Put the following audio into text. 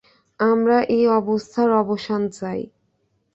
আমরা এ অবস্থার অবসান চাই।